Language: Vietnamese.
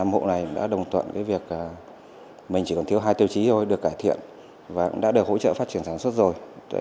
một mươi hộ này đã đồng tuận cái việc mình chỉ còn thiếu hai tiêu chí thôi được cải thiện và cũng đã được hỗ trợ phát triển sản xuất rồi